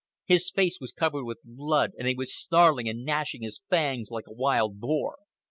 His face was covered with blood, and he was snarling and gnashing his fangs like a wild boar.